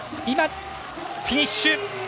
今、フィニッシュ！